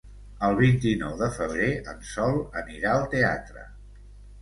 El vint-i-nou de febrer en Sol anirà al teatre.